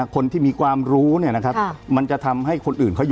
คนที่มีความรู้มันจะทำให้คนอื่นเขายนต์